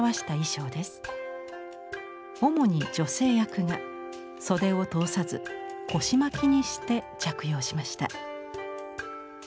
主に女性役が袖を通さず腰巻きにして着用しました。